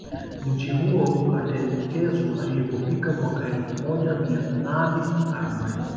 Mji huo ukatelekezwa ilipofika mwaka elfu moja mia nane arobaini